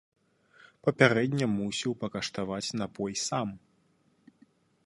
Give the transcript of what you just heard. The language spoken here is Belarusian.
Папярэдне мусіў пакаштаваць напой сам.